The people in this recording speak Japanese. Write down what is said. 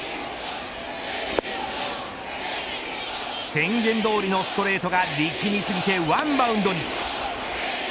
宣言どおりのストレートが力みすぎて１バウンドに。